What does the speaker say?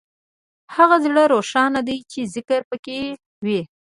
هغه زړه روښانه دی چې ذکر پکې وي.